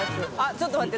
△ちょっと待って！